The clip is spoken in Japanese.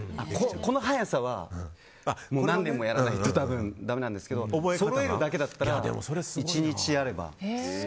この速さは何年もやらないと多分だめなんですけどそろえるだけだったら１日あれば。